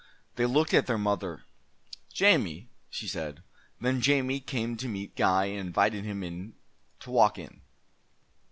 They looked at their mother. "Jamie," she said. Then Jamie came to meet Guy, and invited him to walk in.